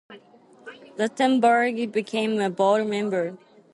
Ruttenberg became a board member.